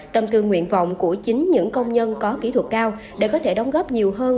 tâm tư nguyện vọng của chính những công nhân có kỹ thuật cao để có thể đóng góp nhiều hơn